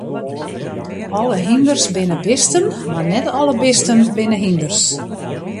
Alle hynders binne bisten, mar net alle bisten binne hynders.